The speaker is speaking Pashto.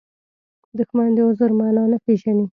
دښمن د عذر معنا نه پېژني